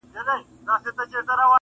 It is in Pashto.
کيسه د عبرت بڼه اخلي تل,